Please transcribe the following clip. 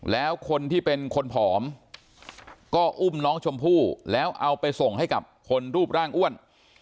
แล้วคนที่เป็นคนผอมก็อุ้มน้องชมพู่แล้วเอาไปส่งให้กับคนรูปร่างอ้วน